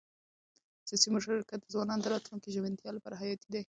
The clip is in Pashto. سیاسي مشارکت د ځوانانو د راتلونکي ژمنتیا لپاره حیاتي دی